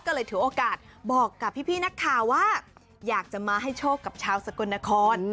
ก็เลยถือโอกาสบอกกับพี่นักข่าวว่าอยากจะมาให้โชคกับชาวสกลนคร